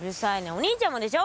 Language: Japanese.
お兄ちゃんもでしょ。